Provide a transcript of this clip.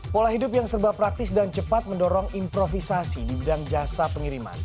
pola hidup yang serba praktis dan cepat mendorong improvisasi di bidang jasa pengiriman